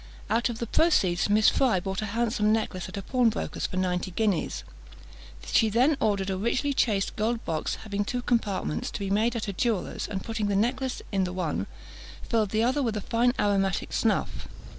Out of the proceeds Miss Fry bought a handsome necklace at a pawnbroker's for ninety guineas. She then ordered a richly chased gold box, having two compartments, to be made at a jeweller's, and putting the necklace in the one, filled the other with a fine aromatic snuff.